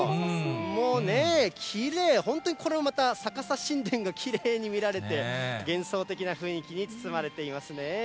もうね、きれい、本当にこれはまた、逆さ神殿がきれいに見られて、幻想的な雰囲気に包まれていますね。